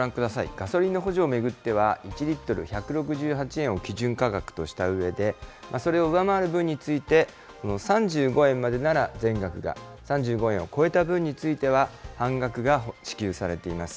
ガソリンの補助を巡っては、１リットル１６８円を基準価格としたうえで、それを上回る分について、３５円までなら全額が、３５円を超えた分については半額が支給されています。